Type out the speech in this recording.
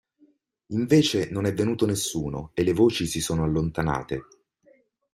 Invece, non è venuto nessuno e le voci si sono allontanate.